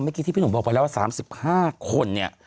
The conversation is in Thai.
เมื่อกี้ที่พี่หนุ่มบอกว่า๓๕คน